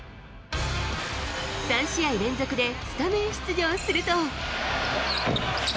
３試合連続で、スタメン出場すると。